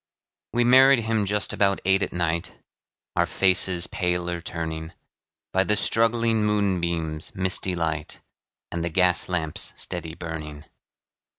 We married him just about eight at night, Our faces paler turning, By the struggling moonbeam's misty light, And the gas lamp's steady burning.